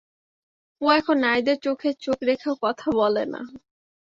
ও এখন নারীদের চোখে চোখ রেখেও কথা বলে না।